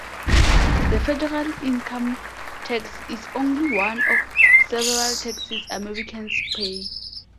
The federal income tax is only one of several taxes Americans pay.